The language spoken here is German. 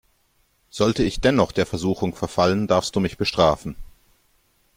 Sollte ich dennoch der Versuchung verfallen, darfst du mich bestrafen.